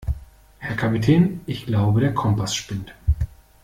Herr Kapitän, ich glaube, der Kompass spinnt.